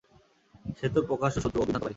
সেতো প্রকাশ্য শত্রু ও বিভ্রান্তকারী।